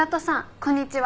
こんにちは。